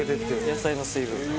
野菜の水分が。